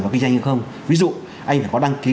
và kinh doanh hay không ví dụ anh phải có đăng ký